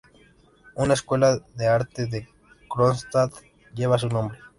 Una escuela de arte de Kronstadt lleva su nombre.